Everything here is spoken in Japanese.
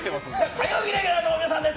火曜日レギュラーの皆さんです